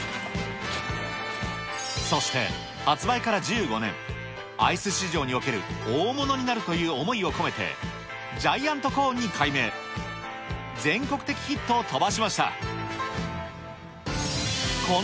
そして、発売から１５年、アイス市場における大物になるという思いを込めて、ジャイアントロングセラーアイスの今と昔を大調査。